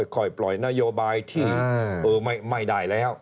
ค่อยปล่อยนโยบายที่ไม่ได้แล้ว